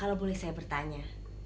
kalau boleh saya bertanya